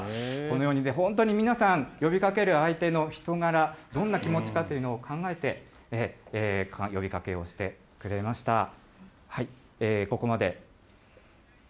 このようにね、本当に皆さん、呼びかける相手の人柄、どんな気持ちかというのを考えて、呼びかけをしてくれました。